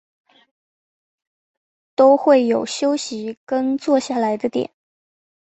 都会有休息跟坐下来的点